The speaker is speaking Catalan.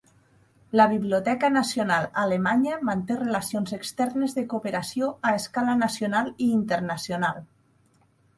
La Biblioteca Nacional Alemanya manté relacions externes de cooperació a escala nacional i internacional.